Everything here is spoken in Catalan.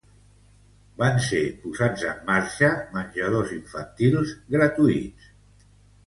Van ser posats en marxa menjadors infantils gratuïts.